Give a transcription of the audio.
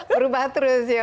berubah terus ya